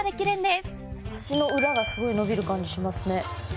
足の裏がすごい伸びる感じしますね。